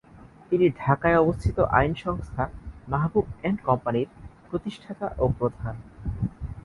তিনি ঢাকায় অবস্থিত আইন সংস্থা 'মাহবুব অ্যান্ড কোম্পানির' প্রতিষ্ঠাতা ও প্রধান।